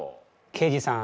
刑事さん